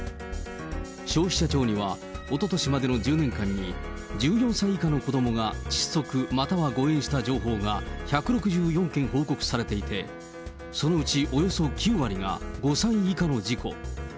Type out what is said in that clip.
消費者庁には、おととしまでの１０年間に、１４歳以下の子どもが窒息または誤嚥した情報が１６４件報告されていて、そのうちおよそ９割が５歳以下の事故。